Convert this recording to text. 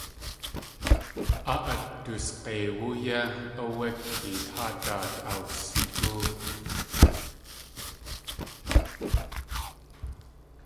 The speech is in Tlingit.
Áa atoosg̲eiwú yé áwé kéet haa daat yawsigóo.